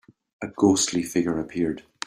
A ghostly figure appeared.